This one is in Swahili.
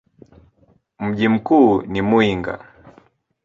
Mji mkuu ni Muyinga.